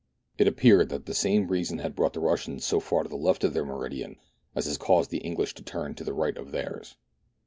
It appeared that the same reason had brought the Russians so far to the left of their meridian as had caused the English to turn to the right of theirs.